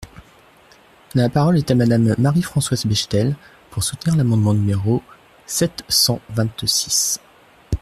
La parole est à Madame Marie-Françoise Bechtel, pour soutenir l’amendement numéro sept cent vingt-six.